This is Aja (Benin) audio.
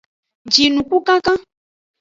Jinukukankan.